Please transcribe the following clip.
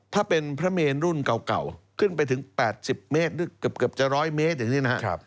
ถ้าเป็นพระเมนรุ่นเก่าขึ้นไปถึง๘๐เมตรเกือบจะ๑๐๐เมตรอย่างนี้นะครับ